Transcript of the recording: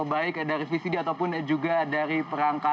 baik dari vcd ataupun juga dari perangkat